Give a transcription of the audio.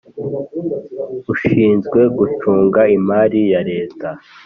ushinzwe Gucunga Imari ya Leta